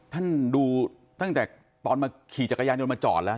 ท่านดูตั้งแต่ตอนมาขี่จักรยานยนต์มาจอดแล้ว